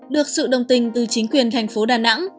được sự đồng tình từ chính quyền thành phố đà nẵng